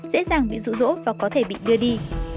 dễ dàng bị rụ rỗ và có thể bị đưa đi